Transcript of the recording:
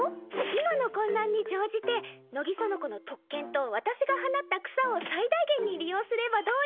今の混乱に乗じて乃木園子の特権と私が放った草を最大限に利用すればどうにか。